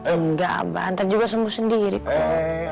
enggak apa nanti juga sembuh sendiri kum